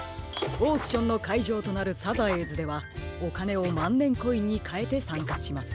オークションのかいじょうとなるサザエーズではおかねをまんねんコインにかえてさんかします。